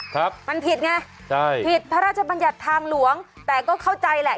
ครับมันผิดไงใช่ผิดพระราชบัญญัติทางหลวงแต่ก็เข้าใจแหละ